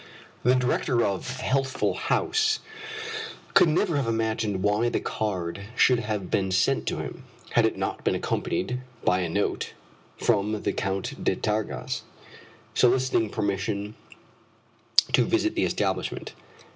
The director of Healthful House could never have imagined why the card should have been sent to him, had it not been accompanied by a note from the Count d'Artigas soliciting permission to visit the establishment.